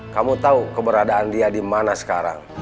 kamu tahu keberadaan dia di mana sekarang